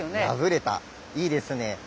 破れたいいですね。